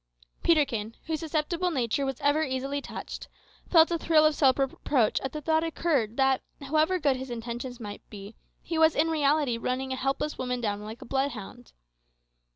Peterkin, whose susceptible nature was ever easily touched, felt a thrill of self reproach as the thought suddenly occurred that, however good his intentions might be, he was in reality running a helpless woman down like a bloodhound.